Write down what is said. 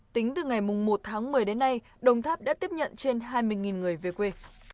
tính từ ngày một tháng một mươi đến nay đồng tháp đã tiếp nhận trên hai mươi người về quê